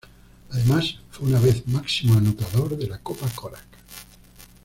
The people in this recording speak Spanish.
Además fue una vez máximo anotador de la Copa Korac.